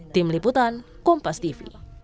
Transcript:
tim liputan kompas tv